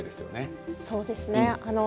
そうですね。